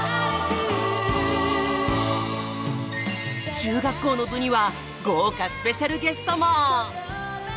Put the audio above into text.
中学校の部には豪華スペシャルゲストも！